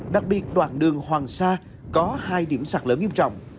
đặc biệt đoạn đường hoàng sa có hai điểm sạt lở nghiêm trọng